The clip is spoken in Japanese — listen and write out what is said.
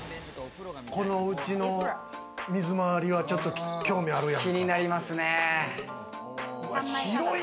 このうちの水回りは、ちょっと興味あるな。